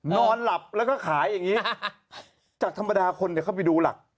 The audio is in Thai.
นอนหลับแล้วก็ขายอย่างนี้จากธรรมดาคนเข้าไปดูหลัก